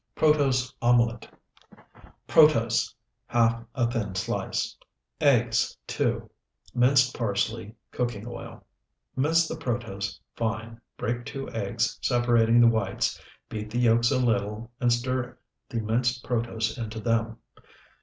PROTOSE OMELET Protose, ½ a thin slice. Eggs, 2. Minced parsley. Cooking oil. Mince the protose fine, break two eggs, separating the whites, beat the yolks a little, and stir the minced protose into them.